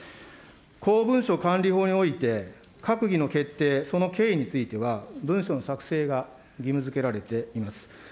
公文書管理法において、閣議の決定、その経緯については、文書の作成が義務づけられています。